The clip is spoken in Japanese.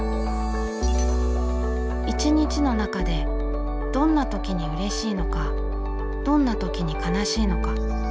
一日の中でどんな時にうれしいのかどんな時に悲しいのか。